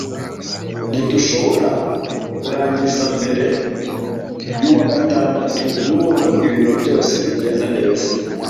Ntidushobora kurangiza mbere yuwagatandatu nubwo ibintu byose bigenda neza.